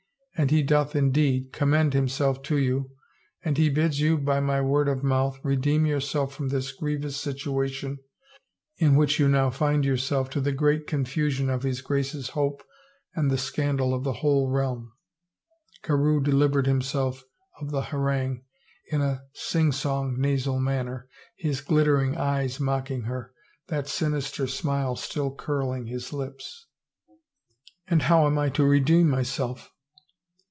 And he doth in deed commend himself to you and he bids you, by my word of mouth, redeem yourself from this grievous sit uation in which you now find yourself to the great con fusion of his Grace's hope and the scandal of the whole realm." Carewe delivered himself of the harangue in a sing song nasal manner, his glittering eyes mocking her, that sinister smile still curling his lips. And how am I so to redeem myself?